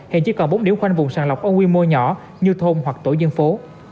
hiện chỉ còn bốn điểm khoanh vùng sàng lọc ở quy mô nhỏ như thôn hoặc tổ dân phố